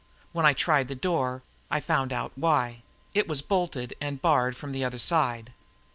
When I tried the door, I found out why it was bolted and barred from the other side.